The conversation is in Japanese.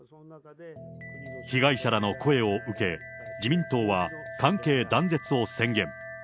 被害者らの声を受け、自民党は関係断絶を宣言。